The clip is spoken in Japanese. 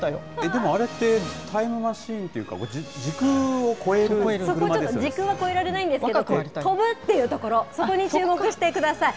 でもあれって、タイムマシーンっていうか、時空は超えられないんですけど、飛ぶっていうところ、そこにチューモクしてください。